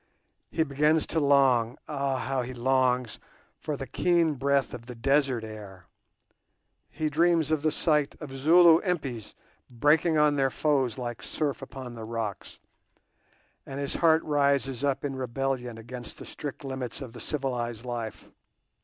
He begins to long—ah, how he longs!—for the keen breath of the desert air; he dreams of the sight of Zulu impis breaking on their foes like surf upon the rocks, and his heart rises up in rebellion against the strict limits of the civilized life.